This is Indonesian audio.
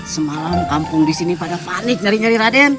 semalam kampung di sini pada panik nyari nyari raden